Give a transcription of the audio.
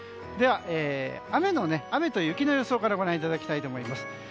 では、雨と雪の予想からご覧いただきたいと思います。